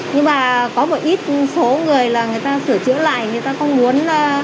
nhưng mà có một ít số người là người ta sửa chữa lại người ta không muốn